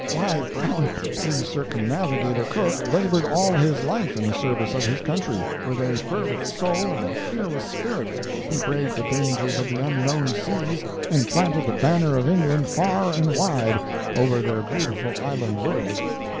Why, Brown, the circumnavigator Cook labored all his life in the service of his country—with a fervid soul and a fearless spirit, he braved the dangers of the unknown seas and planted the banner of England far and wide over their beautiful island world.